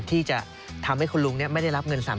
ที่จะทำให้คุณลุงไม่ได้รับเงิน๓๐๐